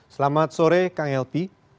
selamat sore kang lp